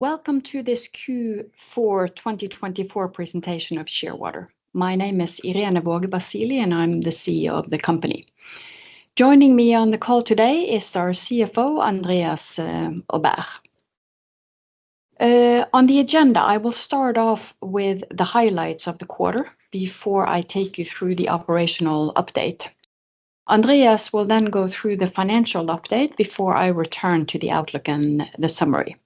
Welcome to this Q4 2024 presentation of Shearwater. My name is Irene Waage Basili, and I'm the CEO of the company. Joining me on the call today is our CFO, Andreas Aubert. On the agenda, I will start off with the highlights of the quarter before I take you through the operational update. Andreas will then go through the financial update before I return to the outlook and the summary.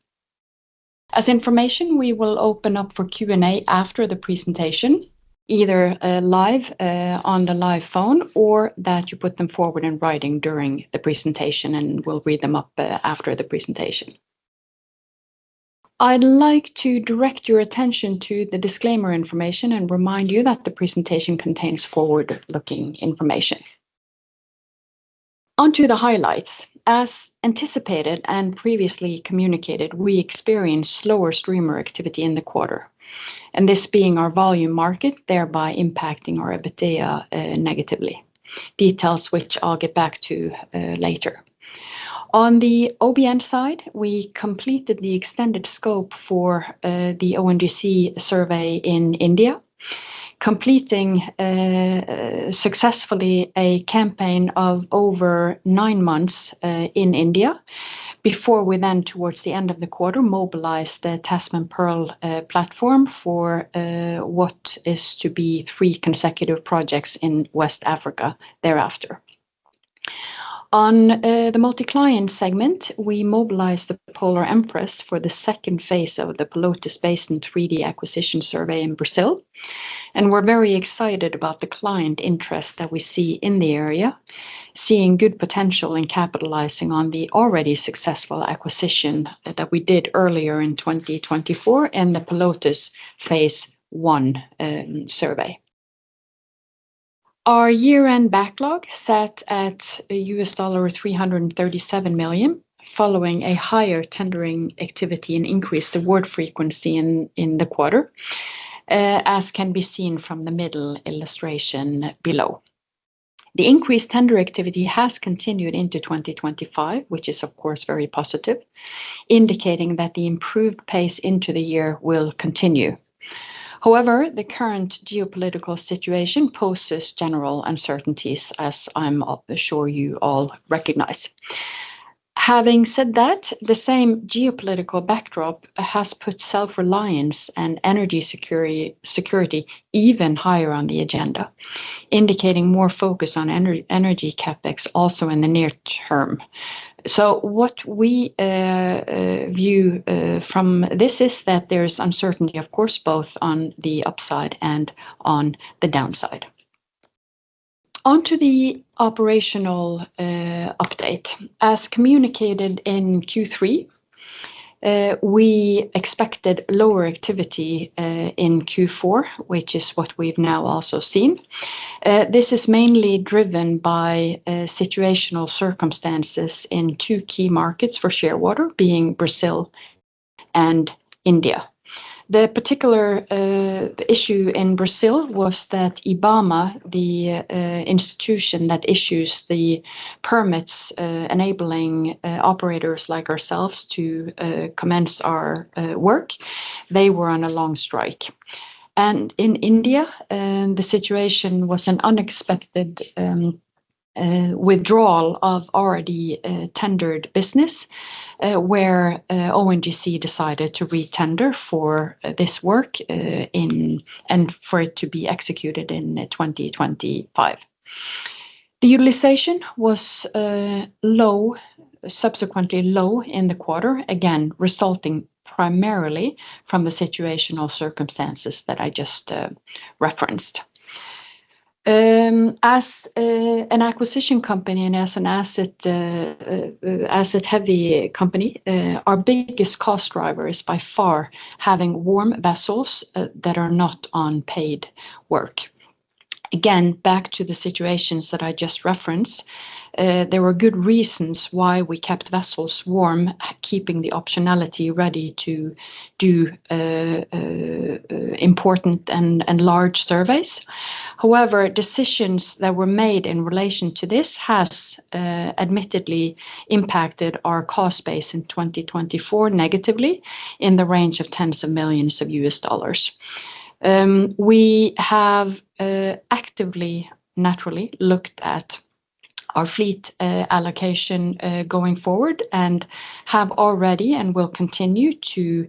As information, we will open up for Q&A after the presentation, either live on the live phone or that you put them forward in writing during the presentation, and we'll read them up after the presentation. I'd like to direct your attention to the disclaimer information and remind you that the presentation contains forward-looking information. Onto the highlights. As anticipated and previously communicated, we experienced slower streamer activity in the quarter, and this being our volume market, thereby impacting our EBITDA negatively. Details which I'll get back to later. On the OBN side, we completed the extended scope for the ONGC survey in India, completing successfully a campaign of over nine months in India, before we then, towards the end of the quarter, mobilized the Tasman-Pearl platform for what is to be three consecutive projects in West Africa thereafter. On the Multi-Client segment, we mobilized the Polar Empress for the second phase of the Pelotas Basin 3D acquisition survey in Brazil, and we're very excited about the client interest that we see in the area, seeing good potential in capitalizing on the already successful acquisition that we did earlier in 2024 and the Pelotas phase I survey. Our year-end backlog sat at $337 million, following a higher tendering activity and increased award frequency in the quarter, as can be seen from the middle illustration below. The increased tender activity has continued into 2025, which is, of course, very positive, indicating that the improved pace into the year will continue. However, the current geopolitical situation poses general uncertainties, as I'm sure you all recognize. Having said that, the same geopolitical backdrop has put self-reliance and energy security even higher on the agenda, indicating more focus on energy CapEx also in the near term. So what we view from this is that there's uncertainty, of course, both on the upside and on the downside. Onto the operational update. As communicated in Q3, we expected lower activity in Q4, which is what we've now also seen. This is mainly driven by situational circumstances in two key markets for Shearwater, being Brazil and India. The particular issue in Brazil was that IBAMA, the institution that issues the permits enabling operators like ourselves to commence our work, they were on a long strike, and in India, the situation was an unexpected withdrawal of already tendered business, where ONGC decided to re-tender for this work and for it to be executed in 2025. The utilization was subsequently low in the quarter, again, resulting primarily from the situational circumstances that I just referenced. As an acquisition company and as an asset-heavy company, our biggest cost driver is by far having warm vessels that are not on paid work. Again, back to the situations that I just referenced, there were good reasons why we kept vessels warm, keeping the optionality ready to do important and large surveys. However, decisions that were made in relation to this have admittedly impacted our cost base in 2024 negatively in the range of tens of millions of dollars. We have actively, naturally, looked at our fleet allocation going forward and have already and will continue to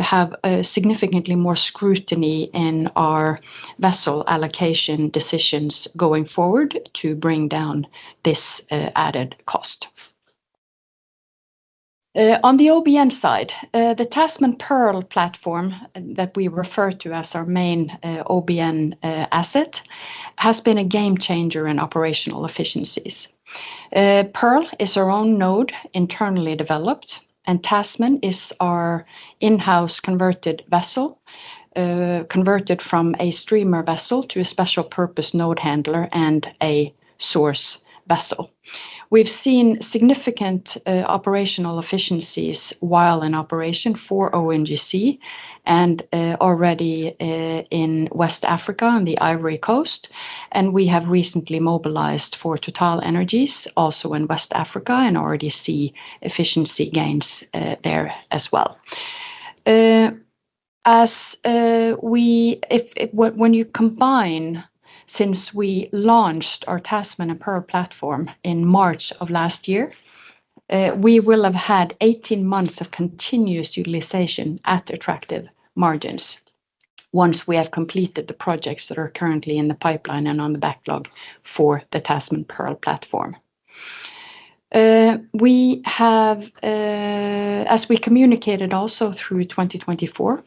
have significantly more scrutiny in our vessel allocation decisions going forward to bring down this added cost. On the OBN side, the Tasman-Pearl platform that we refer to as our main OBN asset has been a game changer in operational efficiencies. Pearl is our own node, internally developed, and Tasman is our in-house converted vessel, converted from a streamer vessel to a special purpose node handler and a source vessel. We've seen significant operational efficiencies while in operation for ONGC and already in West Africa on the Ivory Coast, and we have recently mobilized for TotalEnergies also in West Africa and already see efficiency gains there as well. When you combine, since we launched our Tasman and Pearl platform in March of last year, we will have had 18 months of continuous utilization at attractive margins once we have completed the projects that are currently in the pipeline and on the backlog for the Tasman-Pearl platform. As we communicated also through 2024,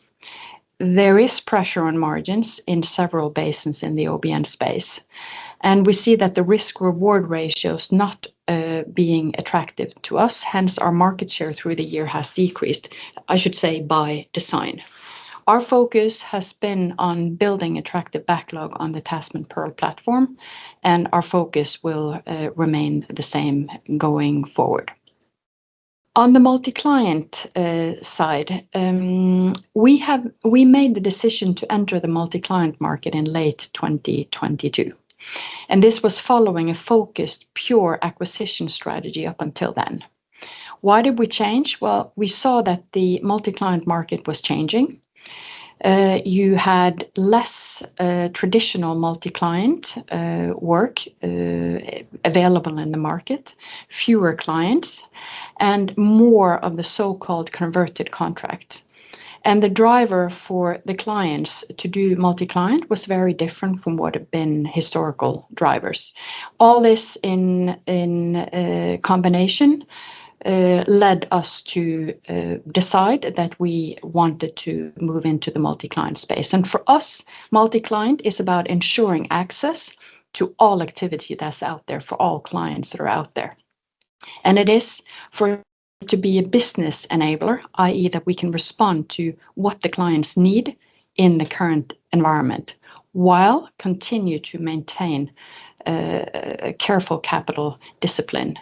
there is pressure on margins in several basins in the OBN space, and we see that the risk-reward ratios not being attractive to us, hence our market share through the year has decreased, I should say, by design. Our focus has been on building attractive backlog on the Tasman-Pearl platform, and our focus will remain the same going forward. On the Multi-Client side, we made the decision to enter the Multi-Client market in late 2022, and this was following a focused pure acquisition strategy up until then. Why did we change? Well, we saw that the Multi-Client market was changing. You had less traditional Multi-Client work available in the market, fewer clients, and more of the so-called converted contract, and the driver for the clients to do Multi-Client was very different from what have been historical drivers. All this in combination led us to decide that we wanted to move into the Multi-Client space, and for us, Multi-Client is about ensuring access to all activity that's out there for all clients that are out there. It is for it to be a business enabler, i.e., that we can respond to what the clients need in the current environment while continuing to maintain careful capital discipline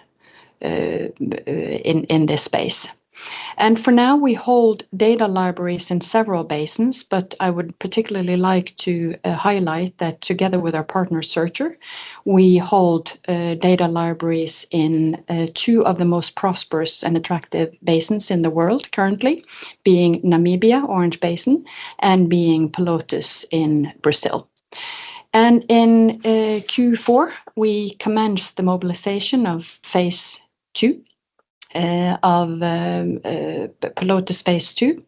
in this space. For now, we hold data libraries in several basins, but I would particularly like to highlight that together with our partner Searcher, we hold data libraries in two of the most prosperous and attractive basins in the world currently, being Namibia, Orange Basin, and being Pelotas Basin in Brazil. In Q4, we commenced the mobilization of phase II of Pelotas phase II,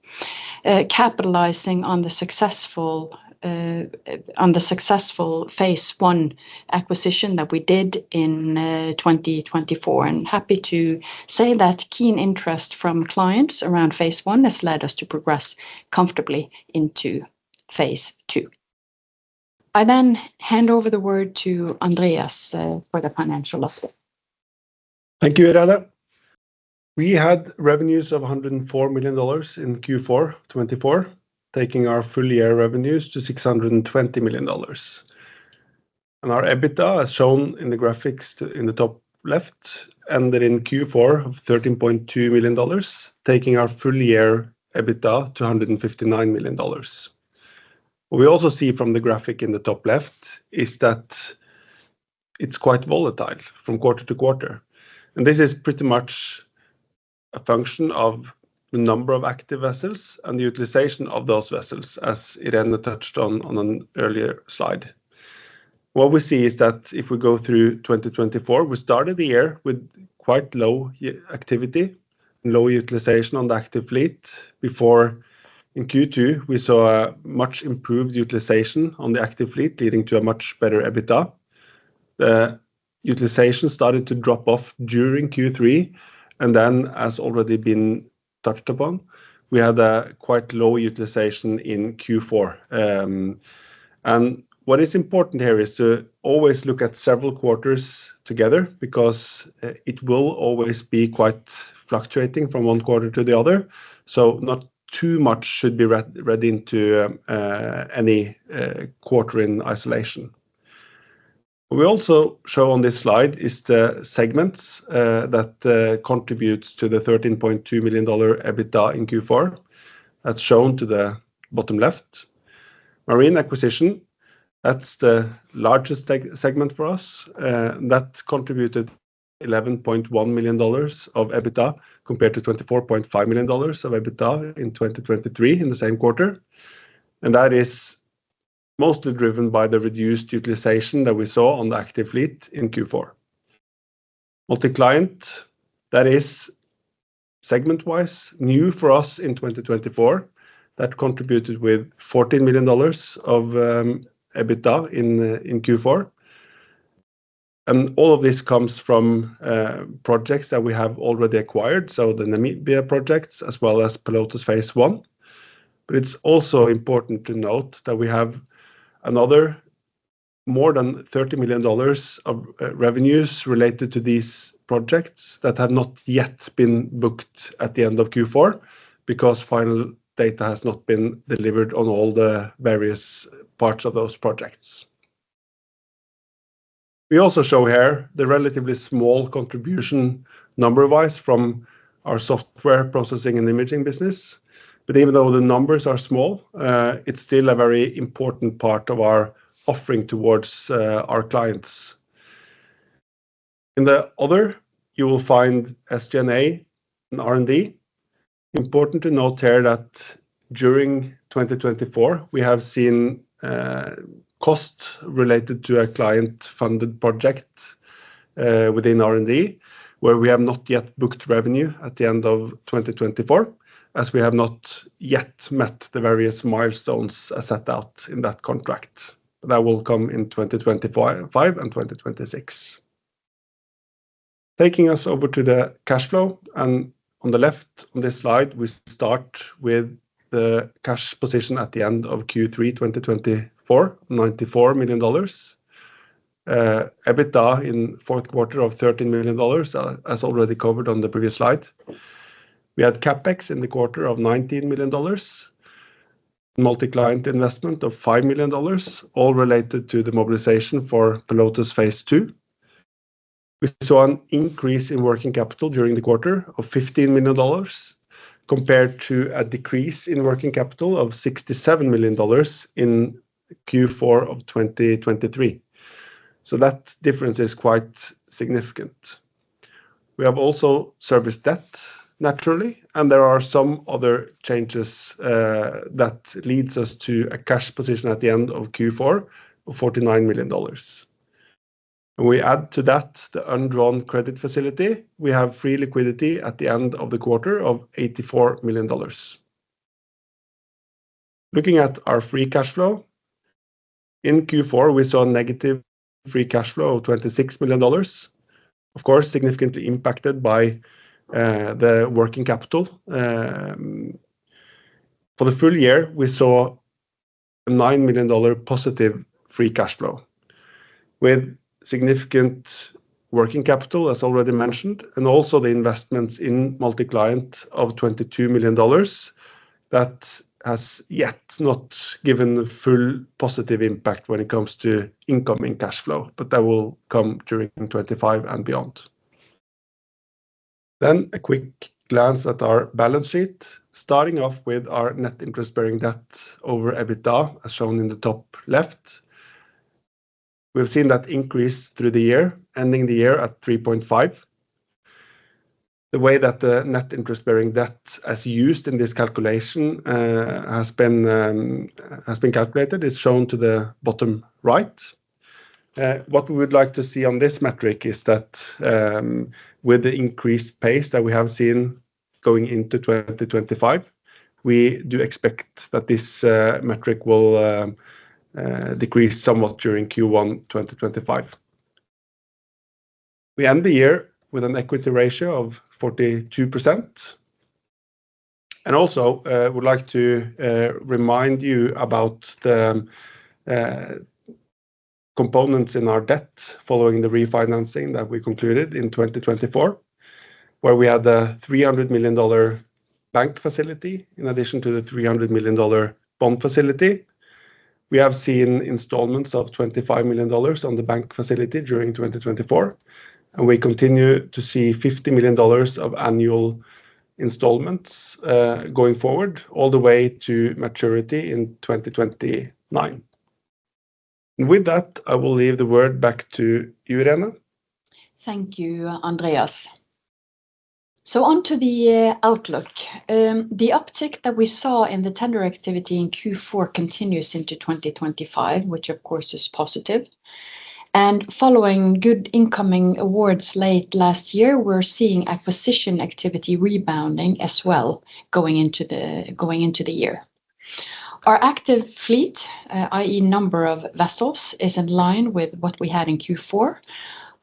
capitalizing on the successful phase I acquisition that we did in 2024. Happy to say that keen interest from clients around phase I has led us to progress comfortably into phase II. I then hand over the word to Andreas for the financial update. Thank you, Irene. We had revenues of $104 million in Q4 2024, taking our full year revenues to $620 million, and our EBITDA, as shown in the graphics in the top left, ended in Q4 of $13.2 million, taking our full year EBITDA to $159 million. What we also see from the graphic in the top left is that it's quite volatile from quarter-to-quarter, and this is pretty much a function of the number of active vessels and the utilization of those vessels, as Irene touched on an earlier slide. What we see is that if we go through 2024, we started the year with quite low activity, low utilization on the active fleet. Before, in Q2, we saw a much improved utilization on the active fleet, leading to a much better EBITDA. The utilization started to drop off during Q3, and then, as already been touched upon, we had a quite low utilization in Q4, and what is important here is to always look at several quarters together because it will always be quite fluctuating from one quarter to the other, so not too much should be read into any quarter in isolation. What we also show on this slide is the segments that contribute to the $13.2 million EBITDA in Q4. That's shown to the bottom left. Marine Acquisition, that's the largest segment for us. That contributed $11.1 million of EBITDA compared to $24.5 million of EBITDA in 2023 in the same quarter, and that is mostly driven by the reduced utilization that we saw on the active fleet in Q4. Multi-Client, that is segment-wise new for us in 2024. That contributed with $14 million of EBITDA in Q4. All of this comes from projects that we have already acquired, so the Namibia projects as well as Pelotas phase I. It's also important to note that we have another more than $30 million of revenues related to these projects that have not yet been booked at the end of Q4 because final data has not been delivered on all the various parts of those projects. We also show here the relatively small contribution number-wise from our Software, Processing and Imaging business. Even though the numbers are small, it's still a very important part of our offering towards our clients. In the other, you will find SG&A and R&D. Important to note here that during 2024, we have seen costs related to a client-funded project within R&D where we have not yet booked revenue at the end of 2024, as we have not yet met the various milestones set out in that contract that will come in 2025 and 2026. Taking us over to the cash flow, and on the left on this slide, we start with the cash position at the end of Q3 2024, $94 million. EBITDA in the fourth quarter of $13 million, as already covered on the previous slide. We had CapEx in the quarter of $19 million, Multi-Client investment of $5 million, all related to the mobilization for Pelotas phase II. We saw an increase in working capital during the quarter of $15 million compared to a decrease in working capital of $67 million in Q4 of 2023. So that difference is quite significant. We have also serviced debt, naturally, and there are some other changes that lead us to a cash position at the end of Q4 of $49 million, and we add to that the undrawn credit facility. We have free liquidity at the end of the quarter of $84 million. Looking at our free cash flow, in Q4, we saw a negative free cash flow of $26 million, of course, significantly impacted by the working capital. For the full year, we saw a $9 million positive free cash flow with significant working capital, as already mentioned, and also the investments in Multi-Client of $22 million that has yet not given a full positive impact when it comes to incoming cash flow, but that will come during 2025 and beyond. Then a quick glance at our balance sheet, starting off with our net interest-bearing debt over EBITDA, as shown in the top left. We've seen that increase through the year, ending the year at 3.5. The way that the net interest-bearing debt is used in this calculation has been calculated is shown to the bottom right. What we would like to see on this metric is that with the increased pace that we have seen going into 2025, we do expect that this metric will decrease somewhat during Q1 2025. We end the year with an equity ratio of 42%. And also, I would like to remind you about the components in our debt following the refinancing that we concluded in 2024, where we had a $300 million bank facility in addition to the $300 million bond facility. We have seen installments of $25 million on the bank facility during 2024, and we continue to see $50 million of annual installments going forward all the way to maturity in 2029, and with that, I will leave the word back to you, Irene. Thank you, Andreas, so on to the outlook. The uptick that we saw in the tender activity in Q4 continues into 2025, which, of course, is positive, and following good incoming awards late last year, we're seeing acquisition activity rebounding as well going into the year. Our active fleet, i.e., number of vessels, is in line with what we had in Q4.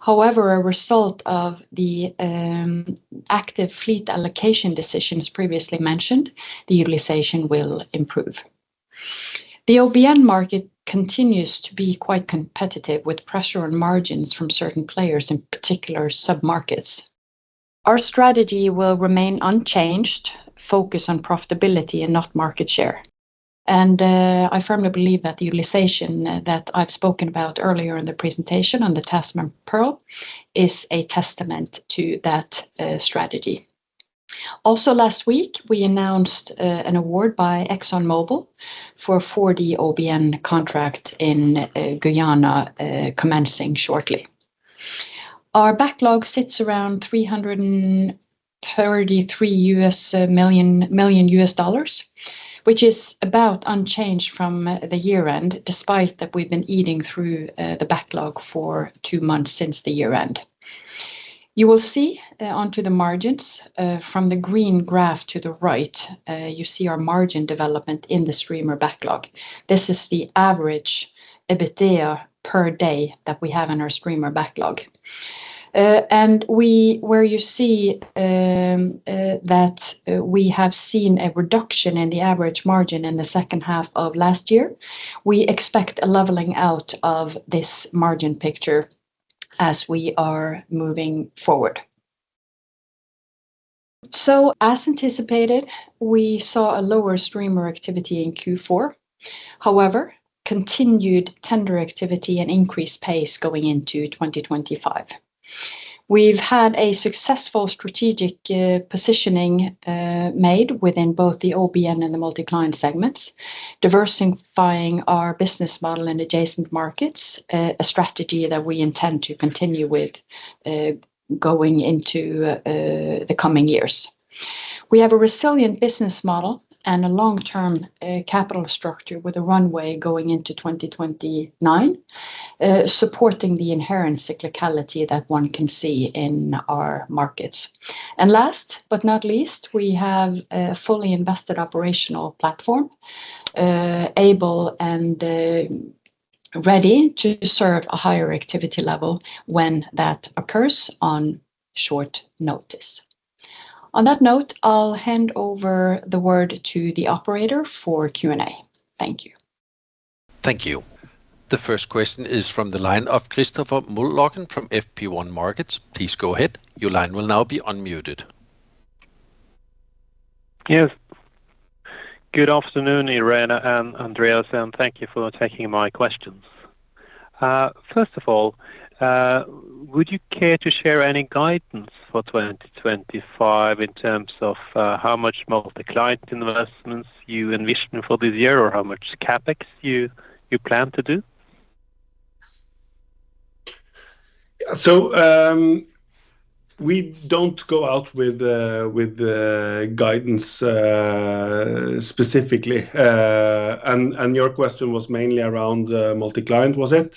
However, a result of the active fleet allocation decisions previously mentioned, the utilization will improve. The OBN market continues to be quite competitive with pressure on margins from certain players, in particular sub-markets. Our strategy will remain unchanged, focused on profitability and not market share, and I firmly believe that the utilization that I've spoken about earlier in the presentation on the Tasman-Pearl is a testament to that strategy. Also, last week, we announced an award by ExxonMobil for a 4D OBN contract in Guyana commencing shortly. Our backlog sits around $333 million, which is about unchanged from the year-end, despite that we've been eating through the backlog for two months since the year-end. You will see onto the margins from the green graph to the right. You see our margin development in the streamer backlog. This is the average EBITDA per day that we have in our streamer backlog. And where you see that we have seen a reduction in the average margin in the second half of last year, we expect a leveling out of this margin picture as we are moving forward. So, as anticipated, we saw a lower streamer activity in Q4. However, continued tender activity and increased pace going into 2025. We've had a successful strategic positioning made within both the OBN and the Multi-Client segments, diversifying our business model in adjacent markets, a strategy that we intend to continue with going into the coming years. We have a resilient business model and a long-term capital structure with a runway going into 2029, supporting the inherent cyclicality that one can see in our markets, and last but not least, we have a fully invested operational platform, able and ready to serve a higher activity level when that occurs on short notice. On that note, I'll hand over the word to the operator for Q&A. Thank you. Thank you. The first question is from the line of Christopher Møllerløkken from SpareBank 1 Markets. Please go ahead. Your line will now be unmuted. Yes. Good afternoon, Irene and Andreas, and thank you for taking my questions. First of all, would you care to share any guidance for 2025 in terms of how much Multi-Client investments you envision for this year or how much CapEx you plan to do? So we don't go out with guidance specifically. And your question was mainly around Multi-Client, was it?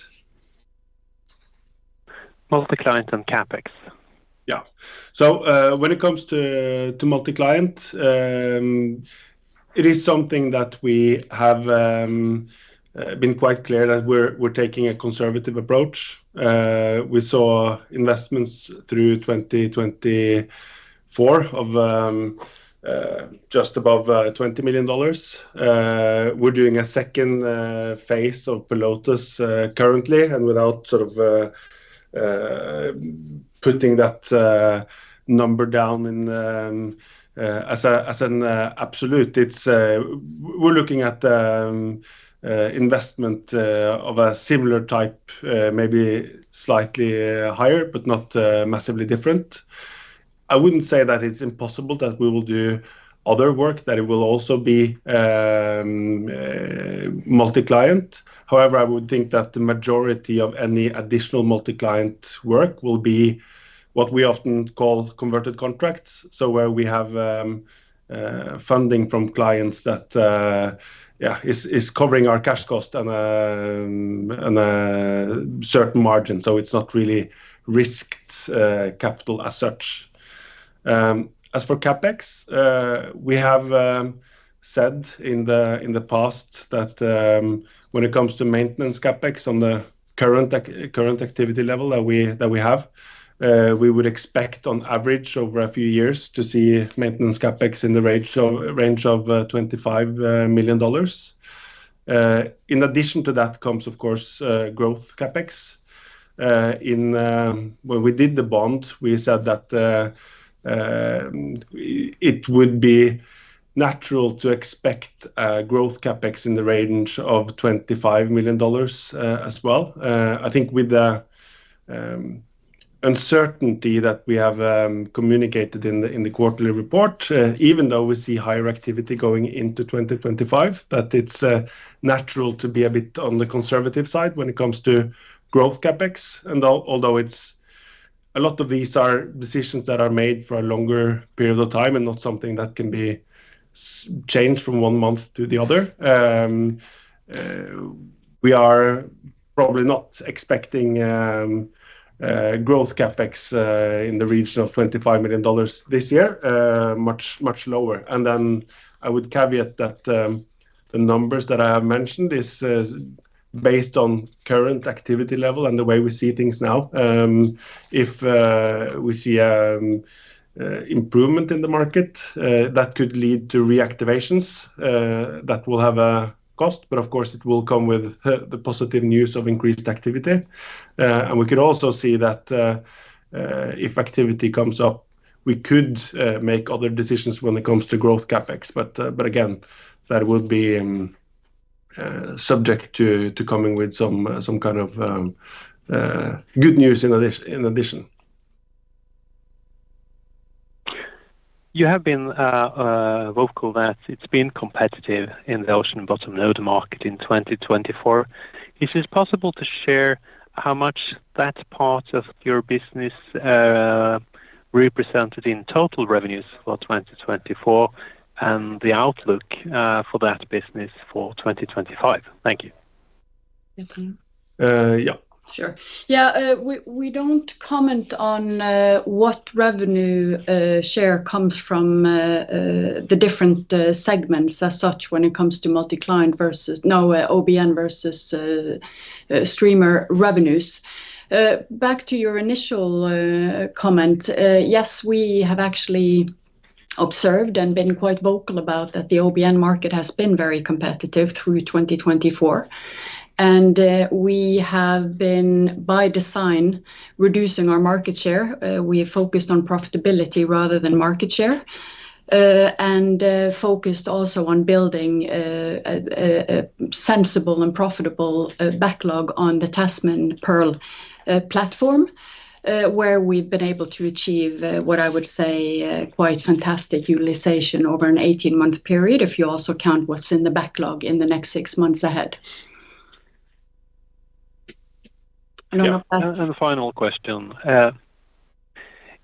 Multi-Client and CapEx. Yeah. So when it comes to Multi-Client, it is something that we have been quite clear that we're taking a conservative approach. We saw investments through 2024 of just above $20 million. We're doing a second phase of Pelotas currently and without sort of putting that number down as an absolute. We're looking at investment of a similar type, maybe slightly higher, but not massively different. I wouldn't say that it's impossible that we will do other work, that it will also be Multi-Client. However, I would think that the majority of any additional Multi-Client work will be what we often call converted contracts, so where we have funding from clients that is covering our cash cost and certain margins. So it's not really risked capital as such. As for CapEx, we have said in the past that when it comes to maintenance CapEx on the current activity level that we have, we would expect on average over a few years to see maintenance CapEx in the range of $25 million. In addition to that comes, of course, growth CapEx. When we did the bond, we said that it would be natural to expect growth CapEx in the range of $25 million as well. I think with the uncertainty that we have communicated in the quarterly report, even though we see higher activity going into 2025, that it's natural to be a bit on the conservative side when it comes to growth CapEx. Although a lot of these are decisions that are made for a longer period of time and not something that can be changed from one month to the other, we are probably not expecting growth CapEx in the region of $25 million this year, much lower. And then I would caveat that the numbers that I have mentioned are based on current activity level and the way we see things now. If we see improvement in the market, that could lead to reactivations that will have a cost, but of course, it will come with the positive news of increased activity. And we could also see that if activity comes up, we could make other decisions when it comes to growth CapEx. But again, that would be subject to coming with some kind of good news in addition. You have been vocal that it's been competitive in the ocean bottom node market in 2024. Is it possible to share how much that part of your business represented in total revenues for 2024 and the outlook for that business for 2025? Thank you. Yeah. Sure. Yeah. We don't comment on what revenue share comes from the different segments as such when it comes to Multi-Client versus OBN versus streamer revenues. Back to your initial comment, yes, we have actually observed and been quite vocal about that the OBN market has been very competitive through 2024. And we have been, by design, reducing our market share. We have focused on profitability rather than market share and focused also on building a sensible and profitable backlog on the Tasman-Pearl platform, where we've been able to achieve what I would say quite fantastic utilization over an 18-month period, if you also count what's in the backlog in the next six months ahead. And a final question.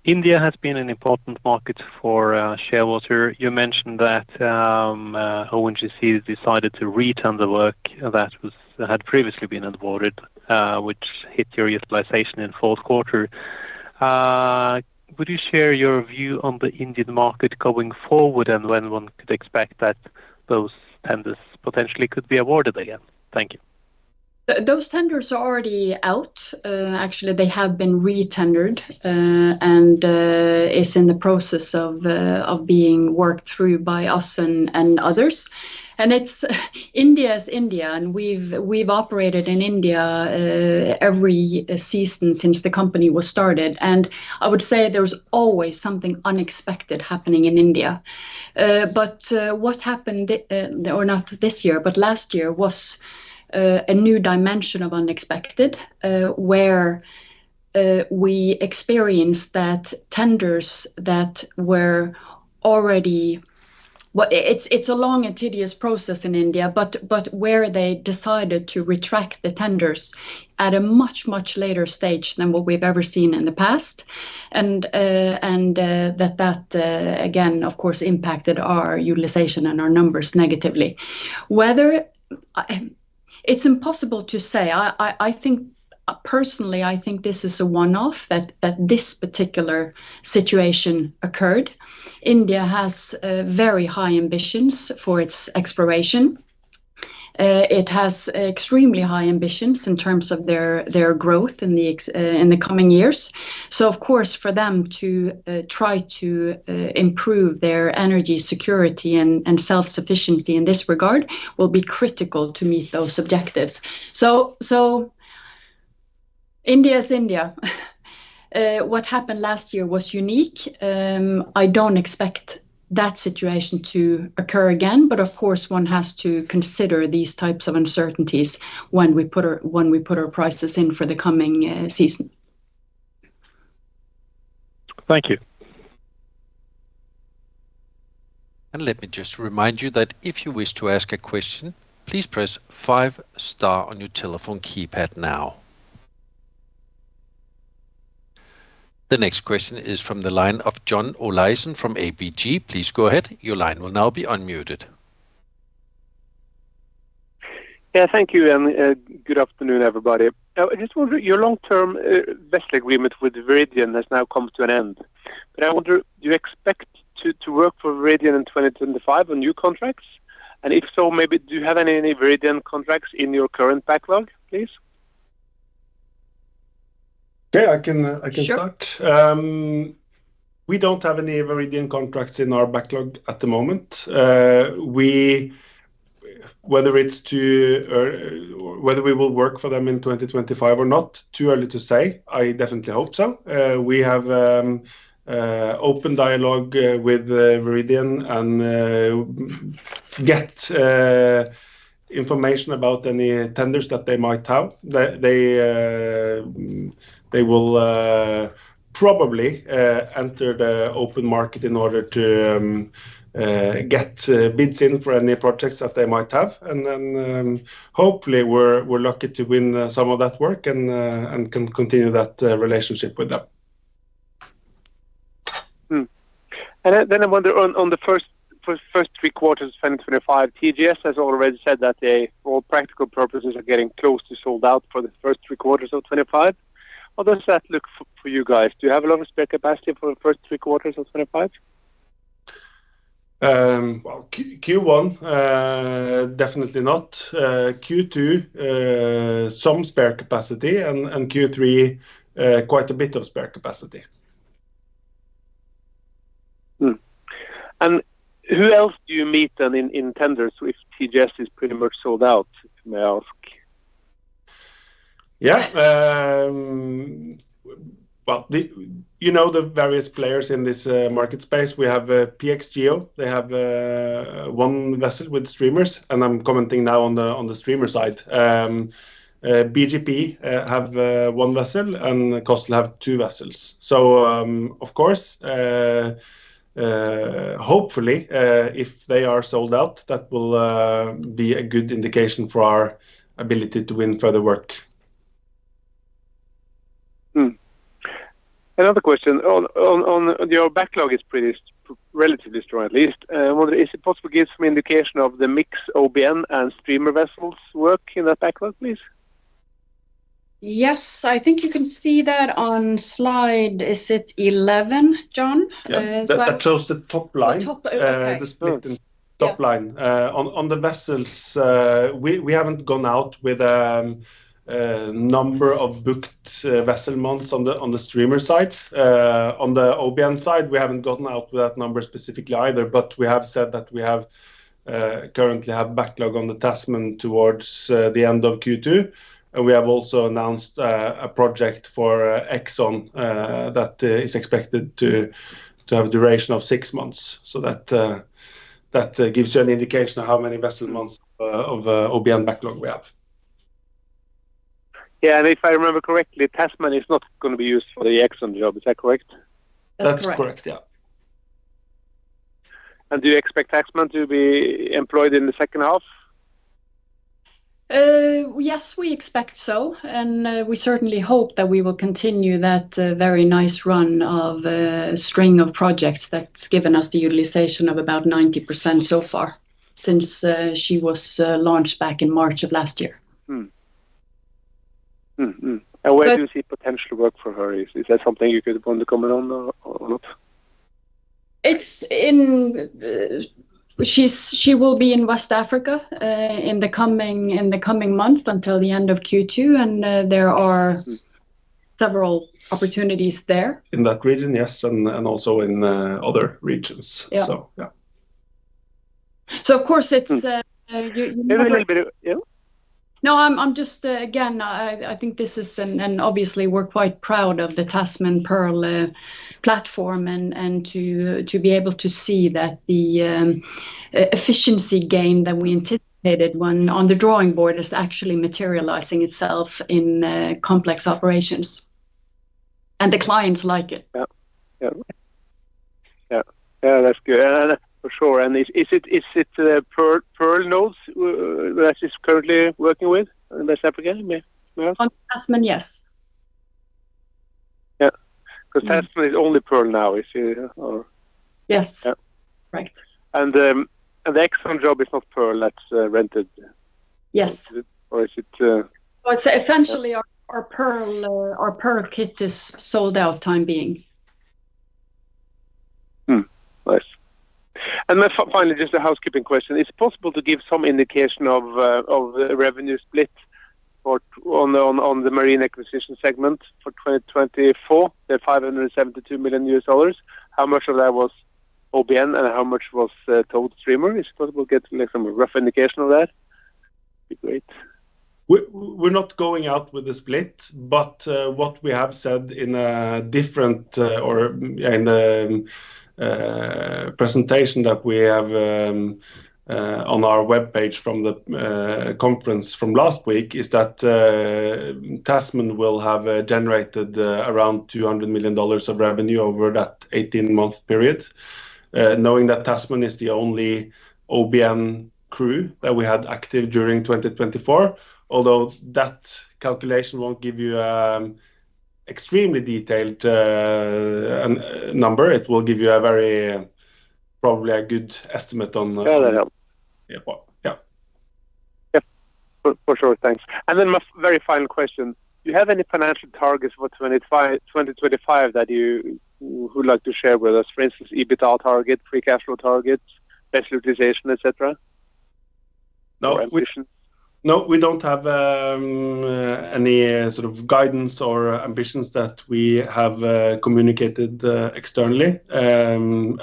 India has been an important market for Shearwater. You mentioned that ONGC decided to return the work that had previously been awarded, which hit your utilization in the fourth quarter. Would you share your view on the Indian market going forward and when one could expect that those tenders potentially could be awarded again? Thank you. Those tenders are already out. Actually, they have been re-tendered and are in the process of being worked through by us and others. And India is India, and we've operated in India every season since the company was started. And I would say there's always something unexpected happening in India. But what happened, or not this year, but last year, was a new dimension of unexpected where we experienced that tenders that were already. It's a long and tedious process in India, but where they decided to retract the tenders at a much, much later stage than what we've ever seen in the past. And that, again, of course, impacted our utilization and our numbers negatively. It's impossible to say. Personally, I think this is a one-off that this particular situation occurred. India has very high ambitions for its exploration. It has extremely high ambitions in terms of their growth in the coming years. So, of course, for them to try to improve their energy security and self-sufficiency in this regard will be critical to meet those objectives. So India is India. What happened last year was unique. I don't expect that situation to occur again, but of course, one has to consider these types of uncertainties when we put our prices in for the coming season. Thank you. Let me just remind you that if you wish to ask a question, please press five-star on your telephone keypad now. The next question is from the line of John Olaisen from ABG. Please go ahead. Your line will now be unmuted. Yeah, thank you and good afternoon, everybody. I just wonder, your long-term vessel agreement with Viridien has now come to an end. But I wonder, do you expect to work for Viridien in 2025 on new contracts? And if so, maybe do you have any Viridien contracts in your current backlog, please? Yeah, I can start. We don't have any Viridien contracts in our backlog at the moment. Whether we will work for them in 2025 or not, too early to say. I definitely hope so. We have open dialogue with Viridien and get information about any tenders that they might have. They will probably enter the open market in order to get bids in for any projects that they might have, and then hopefully, we're lucky to win some of that work and can continue that relationship with them. I wonder, on the first three quarters of 2025, TGS has already said that for all practical purposes they are getting close to sold out for the first three quarters of 2025. How does that look for you guys? Do you have a lot of spare capacity for the first three quarters of 2025? Q1, definitely not. Q2, some spare capacity, and Q3, quite a bit of spare capacity. Who else do you meet then in tenders if TGS is pretty much sold out, if I may ask? Yeah. Well, you know the various players in this market space. We have PXGEO. They have one vessel with streamers. And I'm commenting now on the streamer side. BGP have one vessel and COSL have two vessels. So, of course, hopefully, if they are sold out, that will be a good indication for our ability to win further work. Another question. Your backlog is relatively strong, at least. I wonder, is it possible to give some indication of the mix of OBN and streamer vessels' work in that backlog, please? Yes. I think you can see that on slide 11, John. At least at the top line. Top line. The top line. On the vessels, we haven't gone out with a number of booked vessel months on the streamer side. On the OBN side, we haven't gotten out with that number specifically either, but we have said that we currently have backlog on the Tasman towards the end of Q2, and we have also announced a project for ExxonMobil that is expected to have a duration of six months, so that gives you an indication of how many vessel months of OBN backlog we have. Yeah, and if I remember correctly, Tasman is not going to be used for the ExxonMobil job. Is that correct? That's correct. Yeah. Do you expect Tasman to be employed in the second half? Yes, we expect so. And we certainly hope that we will continue that very nice run of a string of projects that's given us the utilization of about 90% so far since she was launched back in March of last year. And where do you see potential work for her? Is that something you could want to comment on or not? She will be in West Africa in the coming months until the end of Q2, and there are several opportunities there. In that region, yes, and also in other regions. So yeah. Of course, it's— You have a little bit of, yeah? No, I'm just, again, I think this is, and obviously, we're quite proud of the Tasman-Pearl platform and to be able to see that the efficiency gain that we anticipated on the drawing board is actually materializing itself in complex operations, and the clients like it. Yeah. Yeah. Yeah. That's good. For sure. And is it the Pearl nodes that she's currently working with in West Africa? On Tasman, yes. Yeah. Because Tasman is only Pearl now, is it? Yes. Correct. The ExxonMobil job is not Pearl that's rented? Yes. Or is it? Essentially, our Pearl kit is sold out for the time being. Nice. And finally, just a housekeeping question. Is it possible to give some indication of the revenue split on the Marine Acquisition segment for 2024? The $572 million, how much of that was OBN and how much was towed streamer? Is it possible to get some rough indication of that? It'd be great. We're not going out with the split, but what we have said in a different or in the presentation that we have on our web page from the conference from last week is that Tasman will have generated around $200 million of revenue over that 18-month period, knowing that Tasman is the only OBN crew that we had active during 2024. Although that calculation won't give you an extremely detailed number, it will give you probably a good estimate on. Yeah, that helps. Yeah. Yeah. For sure. Thanks. And then my very final question. Do you have any financial targets for 2025 that you would like to share with us? For instance, EBITDA target, free cash flow targets, vessel utilization, etc.? No, we don't have any sort of guidance or ambitions that we have communicated externally. And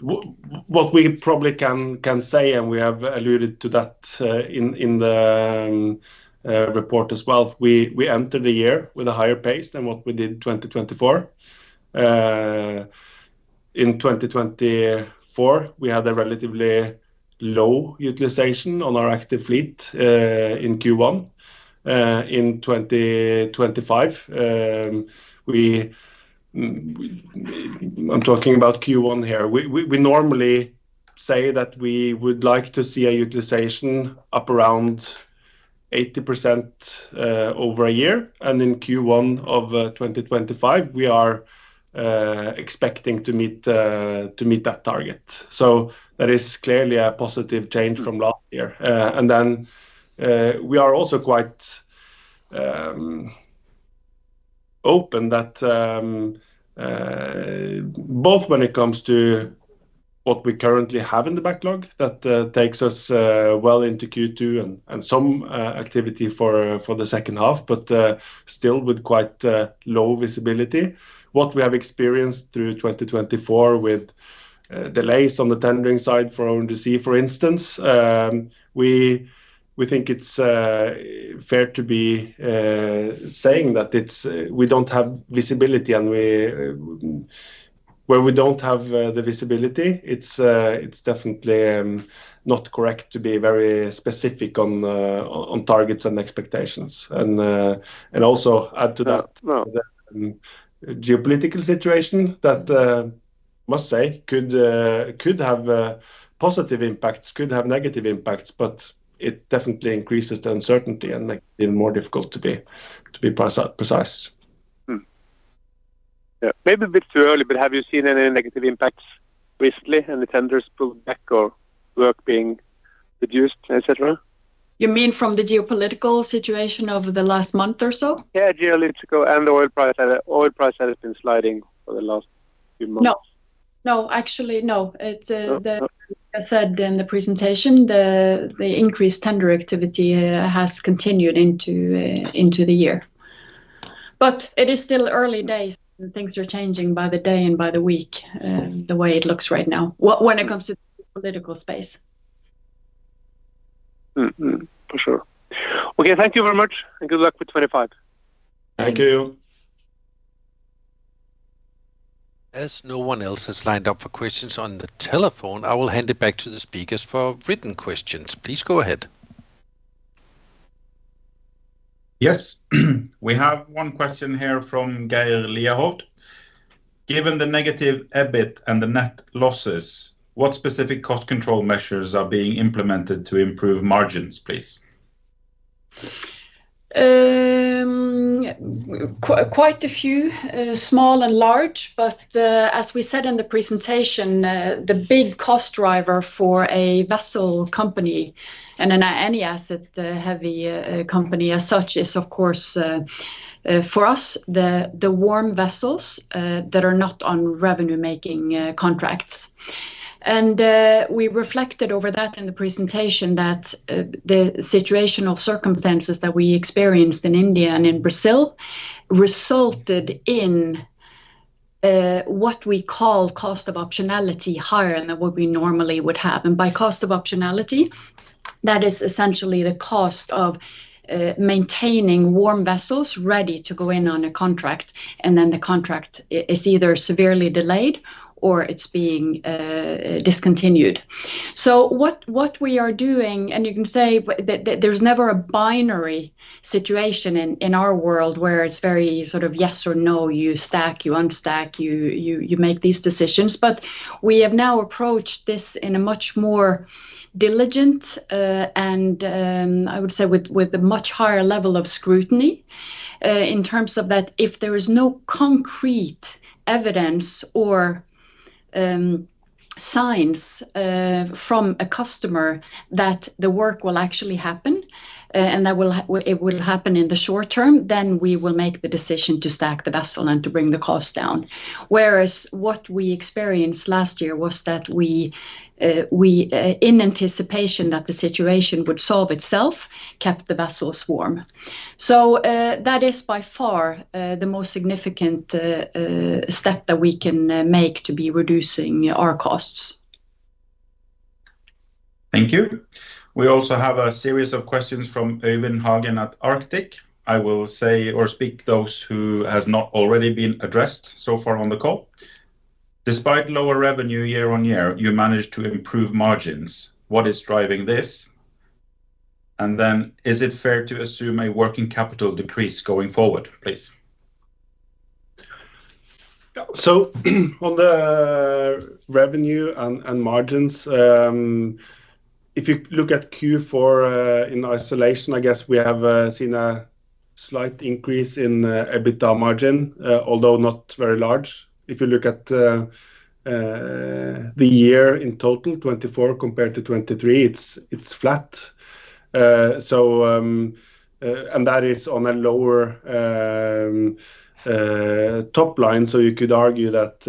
what we probably can say, and we have alluded to that in the report as well, we entered the year with a higher pace than what we did in 2024. In 2024, we had a relatively low utilization on our active fleet in Q1. In 2025, I'm talking about Q1 here. We normally say that we would like to see a utilization up around 80% over a year. And in Q1 of 2025, we are expecting to meet that target. So that is clearly a positive change from last year. And then we are also quite open that both when it comes to what we currently have in the backlog, that takes us well into Q2 and some activity for the second half, but still with quite low visibility. What we have experienced through 2024 with delays on the tendering side for ONGC, for instance, we think it's fair to be saying that we don't have visibility. And where we don't have the visibility, it's definitely not correct to be very specific on targets and expectations, and also add to that the geopolitical situation that, I must say, could have positive impacts, could have negative impacts, but it definitely increases the uncertainty and makes it even more difficult to be precise. Yeah. Maybe a bit too early, but have you seen any negative impacts recently in the tenders pulled back or work being reduced, etc.? You mean from the geopolitical situation over the last month or so? Yeah, geopolitical and oil price that has been sliding for the last few months. No. No, actually, no. Like I said in the presentation, the increased tender activity has continued into the year. But it is still early days, and things are changing by the day and by the week the way it looks right now when it comes to the geopolitical space. For sure. Okay. Thank you very much, and good luck with 2025. Thank you. As no one else has lined up for questions on the telephone, I will hand it back to the speakers for written questions. Please go ahead. Yes. We have one question here from Geir Lierhort. Given the negative EBIT and the net losses, what specific cost control measures are being implemented to improve margins, please? Quite a few, small and large. But as we said in the presentation, the big cost driver for a vessel company and any asset-heavy company as such is, of course, for us, the warm vessels that are not on revenue-making contracts. And we reflected over that in the presentation that the situational circumstances that we experienced in India and in Brazil resulted in what we call cost of optionality higher than what we normally would have. And by cost of optionality, that is essentially the cost of maintaining warm vessels ready to go in on a contract, and then the contract is either severely delayed or it's being discontinued. So what we are doing, and you can say there's never a binary situation in our world where it's very sort of yes or no, you stack, you unstack, you make these decisions. But we have now approached this in a much more diligent and, I would say, with a much higher level of scrutiny in terms of that if there is no concrete evidence or signs from a customer that the work will actually happen and that it will happen in the short term, then we will make the decision to stack the vessel and to bring the cost down. Whereas what we experienced last year was that we, in anticipation that the situation would solve itself, kept the vessels warm. So that is by far the most significant step that we can make to be reducing our costs. Thank you. We also have a series of questions from Eivind Hagen at Arctic. I will say or speak to those who have not already been addressed so far on the call. Despite lower revenue year on year, you managed to improve margins. What is driving this? And then is it fair to assume a working capital decrease going forward, please? So on the revenue and margins, if you look at Q4 in isolation, I guess we have seen a slight increase in EBITDA margin, although not very large. If you look at the year in total, 2024 compared to 2023, it's flat. And that is on a lower top line. So you could argue that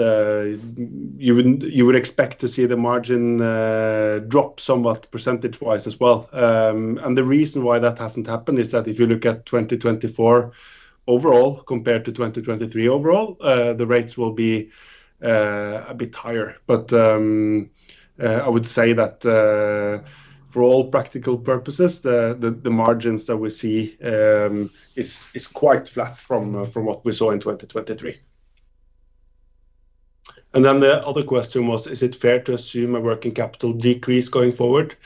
you would expect to see the margin drop somewhat percentage-wise as well. The reason why that hasn't happened is that if you look at 2024 overall compared to 2023 overall, the rates will be a bit higher. But I would say that for all practical purposes, the margins that we see is quite flat from what we saw in 2023. And then the other question was, is it fair to assume a working capital decrease going forward?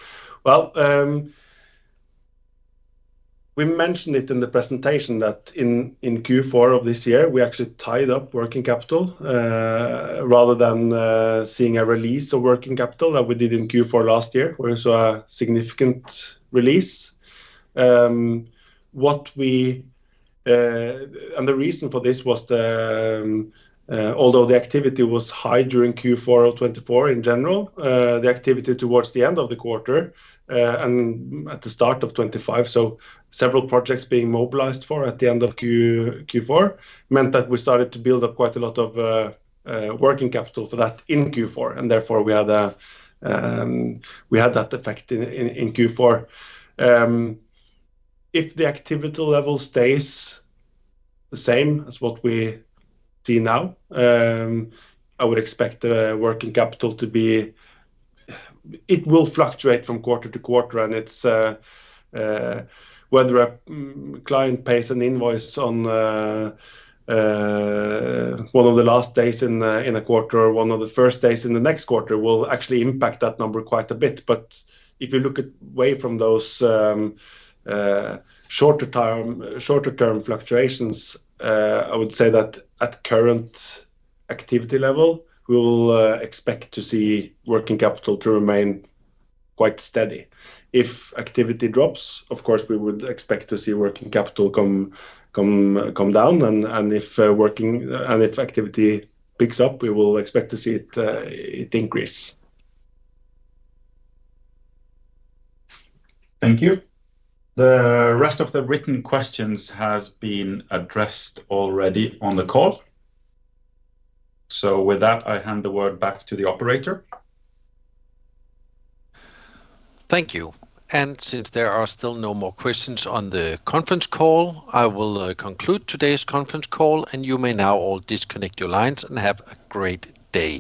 We mentioned it in the presentation that in Q4 of this year, we actually tied up working capital rather than seeing a release of working capital that we did in Q4 last year, where it was a significant release. And the reason for this was, although the activity was high during Q4 of 2024 in general, the activity towards the end of the quarter and at the start of 2025, so several projects being mobilized for at the end of Q4 meant that we started to build up quite a lot of working capital for that in Q4. And therefore, we had that effect in Q4. If the activity level stays the same as what we see now, I would expect the working capital to be. It will fluctuate from quarter-to-quarter. And whether a client pays an invoice on one of the last days in a quarter or one of the first days in the next quarter will actually impact that number quite a bit. If you look away from those shorter-term fluctuations, I would say that at current activity level, we will expect to see working capital to remain quite steady. If activity drops, of course, we would expect to see working capital come down. If activity picks up, we will expect to see it increase. Thank you. The rest of the written questions has been addressed already on the call. With that, I hand the word back to the operator. Thank you. And since there are still no more questions on the conference call, I will conclude today's conference call, and you may now all disconnect your lines and have a great day.